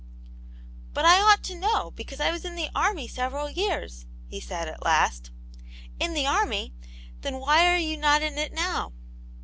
" But I ought to know, because I was in the army several years," he said, at last. "In the army I Then why are you not in it now